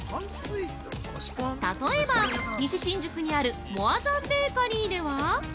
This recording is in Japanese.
例えば、西新宿にあるモアザン・ベーカリーでは◆